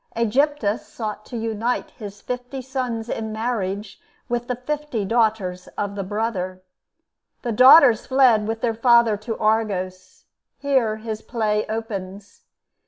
Aegyptus sought to unite his fifty sons in marriage with the fifty daughters of the brother. The daughters fled with their father to Argos. Here his play opens.